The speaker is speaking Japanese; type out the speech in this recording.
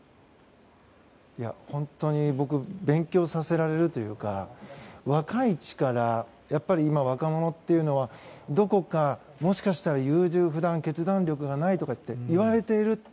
本当に僕勉強させられるというか若い力、やっぱり今若者っていうのはどこかもしかしたら優柔不断決断力がないとかって言われている。